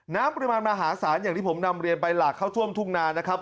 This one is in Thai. ปริมาณมหาศาลอย่างที่ผมนำเรียนไปหลากเข้าท่วมทุ่งนานะครับ